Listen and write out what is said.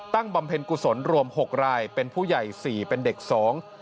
บำเพ็ญกุศลรวมหกรายเป็นผู้ใหญ่สี่เป็นเด็กสอง